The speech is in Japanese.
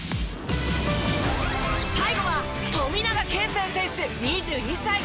最後は富永啓生選手２２歳。